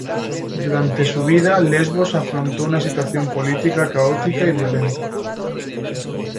Durante su vida, Lesbos afrontó una situación política caótica y violenta.